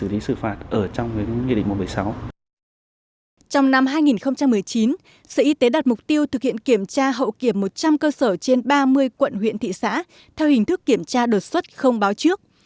trong năm hai nghìn một mươi chín sở y tế đặt mục tiêu thực hiện kiểm tra hậu kiểm một trăm linh cơ sở trên ba mươi quận huyện thị xã theo hình thức kiểm tra đột xuất không báo trước